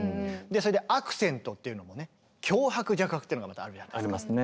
それでアクセントっていうのもね強拍弱拍っていうのがまたあるじゃないですか。